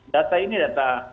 data ini data